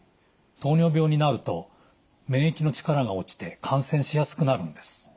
糖尿病になると免疫の力が落ちて感染しやすくなるんです。